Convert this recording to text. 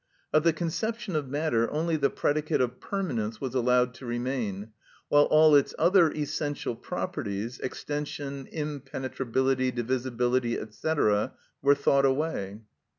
Of the conception of matter, only the predicate of permanence was allowed to remain, while all its other essential properties, extension, impenetrability, divisibility, &c., were thought away.